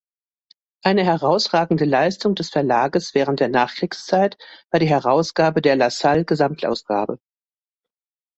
Eine herausragende Leistung des Verlages während der Nachkriegszeit war die Herausgabe der Lassalle-Gesamtausgabe.